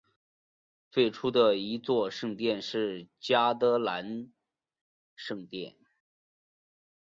最初的一座圣殿是嘉德兰圣殿。